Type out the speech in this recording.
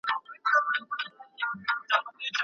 چي د ارزو غوټۍ مي څرنګه خزانه سوله